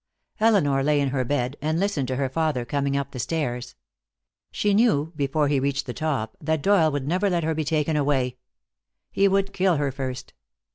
Elinor lay in her bed and listened to her father coming up the stairs. She knew, before he reached the top, that Doyle would never let her be taken away. He would kill her first.